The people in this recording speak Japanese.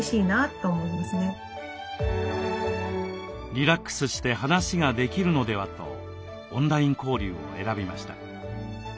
リラックスして話ができるのではとオンライン交流を選びました。